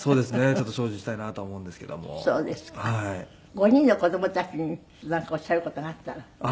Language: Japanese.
５人の子供たちになんかおっしゃる事があったら。